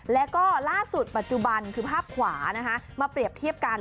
แล้วก็ล่าสุดปัจจุบันคือภาพขวามาเปรียบเทียบกัน